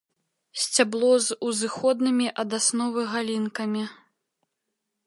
Сцябло з узыходнымі ад асновы галінкамі.